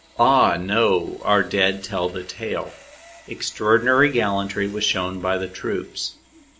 Ah, no! our dead tell the tale. Extraordinary gallantry was shown by the troops.